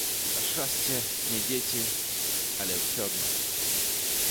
На шчасце, не дзеці, але ўсё адно.